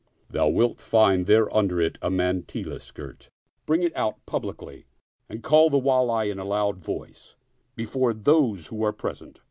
Thou wilt find there under it a mantilla skirt; bring it out publicly and call the Wali in a loud voice, before those who are present.